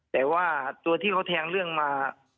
แต่ว่าตัวที่เขาแทงเรื่องมา